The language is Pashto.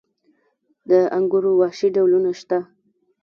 د انګورو وحشي ډولونه شته؟